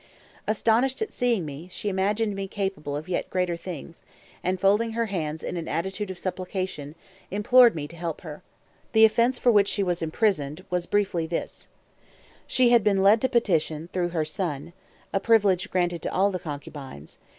Astonished at seeing me, she imagined me capable of yet greater things, and folding her hands in an attitude of supplication, implored me to help her. The offence for which she was imprisoned was briefly this: She had been led to petition, through her son, [Footnote: A privilege granted to all the concubines.